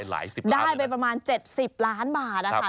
ได้ไปประมาณ๗๐ล้านบาทนะคะ